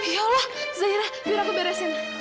ya allah zaira biar aku beresin